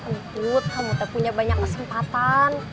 entut kamu tuh punya banyak kesempatan